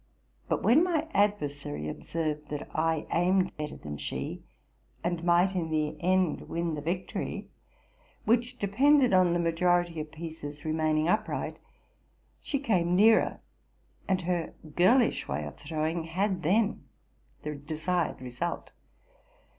But when my adversary observed that I aimed better than she, and might in the end win the victory, which depended on the majority of pieces remaining upright, she came nearer, and her girlish way of throwing had then the desired result.